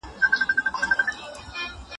د فتح خان او رابعې کیسه له ډېرې مینې ډکه ده.